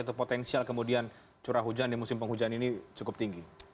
atau potensial kemudian curah hujan di musim penghujan ini cukup tinggi